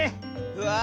うわ！